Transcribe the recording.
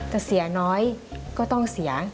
จะเสียน้อยก็ต้องเสีย